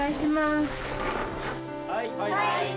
はい！